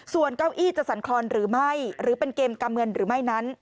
ส่วนเก้าอี้จะสันครหรือไม่หรือเป็นเกมกำเงินหรือไม่นั้น